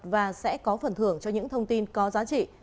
và sẽ có phần thưởng cho những thông tin có giá trị